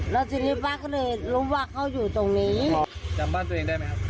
แล้วทีนี้ป้าก็เลยรู้ว่าเขาอยู่ตรงนี้พอจำบ้านตัวเองได้ไหมครับ